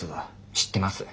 知ってます。